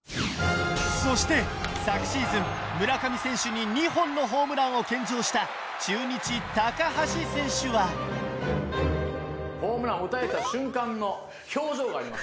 そして昨シーズン村上選手に２本のホームランを献上した中日・橋選手はホームラン打たれた瞬間の表情があります。